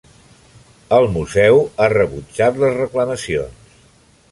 El museu ha rebutjat les reclamacions.